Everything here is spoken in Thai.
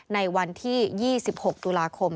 ในวันที่๒๖ตุลาคม